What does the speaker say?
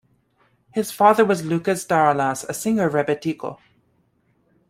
His father was Loukas Daralas, a singer of rebetiko.